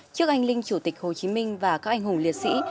trước anh linh chủ tịch hồ chí minh và các anh hùng liệt sĩ